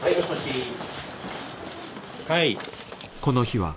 はい。